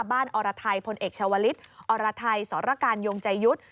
บ้านอรทัยพลเอกชาวลิศอรทัยสรรคาญยงใจยุทธ์